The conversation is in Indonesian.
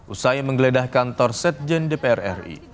usai menggeledah kantor sekjen dpr ri